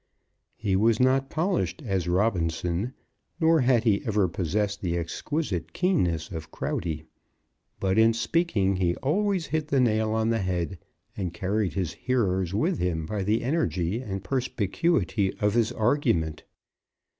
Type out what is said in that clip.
He was not polished as Robinson, nor had he ever possessed the exquisite keenness of Crowdy. But in speaking he always hit the nail on the head, and carried his hearers with him by the energy and perspicuity of his argument.